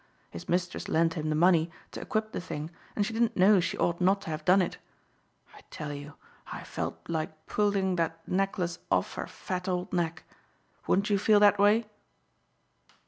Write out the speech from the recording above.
His mistress lent him the money to equip the thing and she didn't know she ought not to have done it. I tell you I felt like pulling that necklace off her fat old neck. Wouldn't you feel that way?"